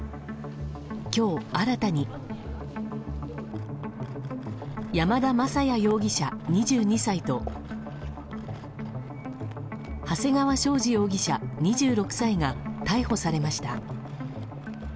今日新たに山田雅也容疑者、２２歳と長谷川将司容疑者、２６歳が逮捕されました。